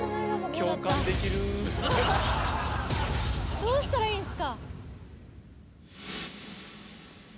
どうしたらいいんすか？